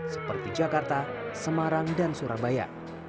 seperti jakarta semarang dan surabaya